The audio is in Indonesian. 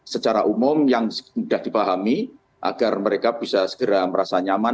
secara umum yang sudah dipahami agar mereka bisa segera merasa nyaman